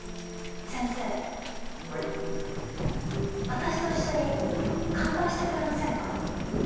私と一緒に乾杯してくれませんか？